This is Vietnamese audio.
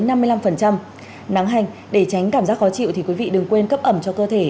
nắng hành để tránh cảm giác khó chịu thì quý vị đừng quên cấp ẩm cho cơ thể